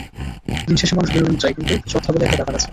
দিন শেষে মানুষ বিনোদন চায়, কিন্তু শ্রদ্ধা বলে একটা ব্যাপার আছে।